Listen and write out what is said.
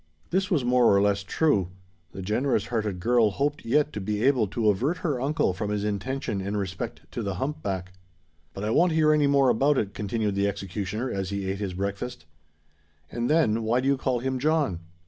This was more or less true: the generous hearted girl hoped yet to be able to avert her uncle from his intention in respect to the hump back. "But I won't hear any more about it," continued the executioner, as he ate his breakfast. "And, then, why do you call him John?"